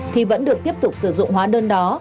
thì vẫn được tiếp tục sử dụng hóa đơn đó